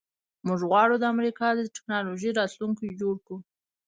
موږ غواړو د امریکا د ټیکنالوژۍ راتلونکی جوړ کړو